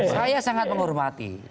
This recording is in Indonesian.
saya sangat menghormati